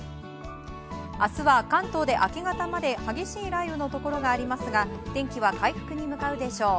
明日は、関東で明け方まで激しい雷雨のところがありますが天気は回復に向かうでしょう。